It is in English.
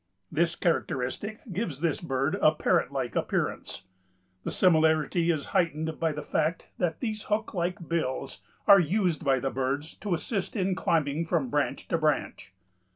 This characteristic gives this bird a parrot like appearance. The similarity is heightened by the fact that these hook like bills are used by the birds to assist in climbing from branch to branch.